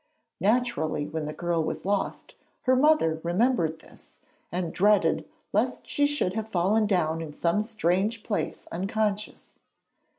Naturally when the girl was lost her mother remembered this and dreaded lest she should have fallen down in some strange place unconscious.